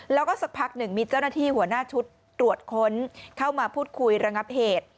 แล้วก็สักพักหนึ่งมีเจ้าหน้าที่หัวหน้าชุดตรวจค้นเข้ามาพูดคุยระงับเหตุ